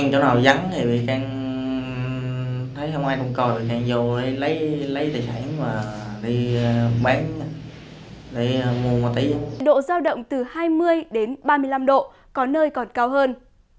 độ giao động từ hai mươi đến ba mươi năm độ có nơi còn cao hơn